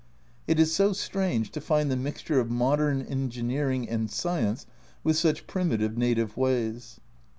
It is so strange to find the mixture of modern engineering and science with such primitive native ways.